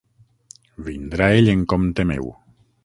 Vindrà ell en compte meu.